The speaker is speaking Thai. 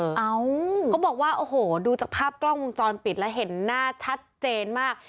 เขาบอกว่าโอ้โหดูจากภาพกล้องวงจรปิดแล้วเห็นหน้าชัดเจนมาก